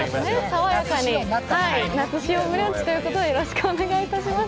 爽やかに、夏仕様ブランチということでよろしくお願いします。